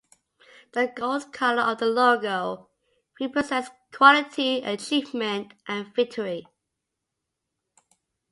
The gold colour of the logo represents quality, achievement and victory.